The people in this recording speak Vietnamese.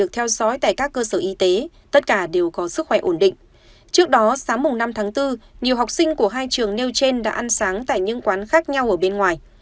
trước đó sáng năm tháng bốn nhiều học sinh của hai trường nêu trên đã ăn sáng tại những quán khác nhau ở bên ngoài